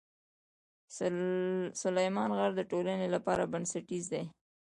سلیمان غر د ټولنې لپاره بنسټیز دی.